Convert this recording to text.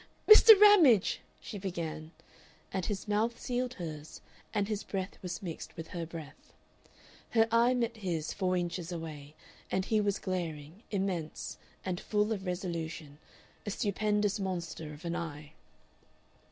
"Mr. Ramage!" she began, and his mouth sealed hers and his breath was mixed with her breath. Her eye met his four inches away, and his was glaring, immense, and full of resolution, a stupendous monster of an eye.